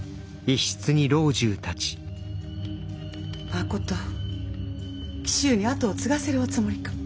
まこと紀州に跡を継がせるおつもりか！